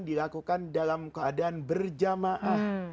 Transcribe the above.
dilakukan dalam keadaan berjamaah